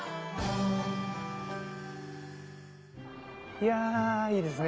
いやいいですね。